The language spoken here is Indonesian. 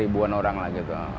ribuan orang lah gitu